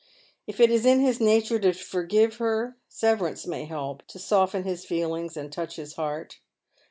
If it is in his nature to forgive hcf, severance may help to soften his feelings and touch his heart.